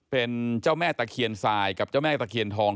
เป็นเจ้าแม่ตะเคียนทรายกับเจ้าแม่ตะเคียนทอง